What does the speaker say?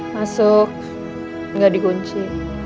masuk gak digunci